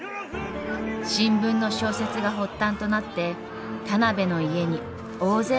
新聞の小説が発端となって田邊の家に大勢が押しかけてきました。